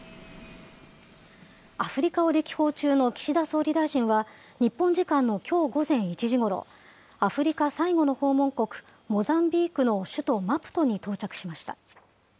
アフリカを歴訪中の岸田総理大臣は、日本時間のきょう午前１時ごろ、アフリカ最後の訪問国、モザンビークの首都マプトに到着しました。